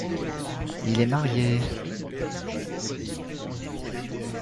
Il est marié.